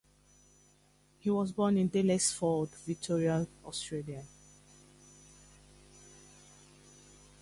He was born in Daylesford, Victoria, Australia.